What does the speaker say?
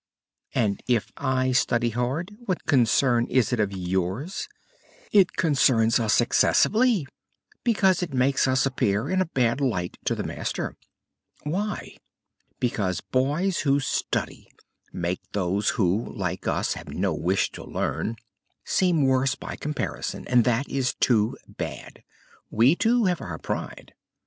"And if I study hard, what concern is it of yours?" "It concerns us excessively, because it makes us appear in a bad light to the master." "Why?" "Because boys who study make those who, like us, have no wish to learn, seem worse by comparison. And that is too bad. We, too, have our pride!"